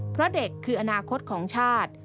เพราะเด็กคืออนาคตของชาติ